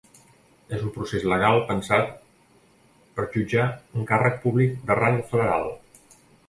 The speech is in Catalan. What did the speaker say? És un procés legal pensat per jutjar un càrrec públic de rang federal.